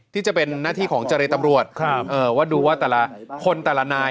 ที่จะเป็นนาธิของจริตำรวจครับเอ่อว่าดูว่าแต่ละคนแต่ละนาย